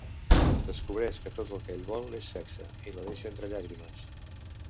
Descobreix que tot el que ell vol és sexe; i la deixa entre llàgrimes.